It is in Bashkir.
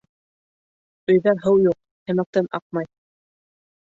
Өйҙә һыу юҡ, һемәктән аҡмай.